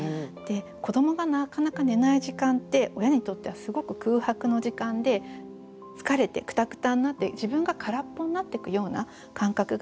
子どもがなかなか寝ない時間って親にとってはすごく空白の時間で疲れてクタクタになって自分が空っぽになってくような感覚がある。